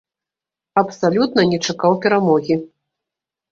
Абсалютна не чакаў перамогі.